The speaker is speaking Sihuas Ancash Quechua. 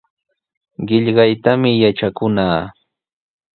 Qillqaytami yatrakunaa.